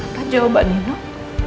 apa jawabannya noor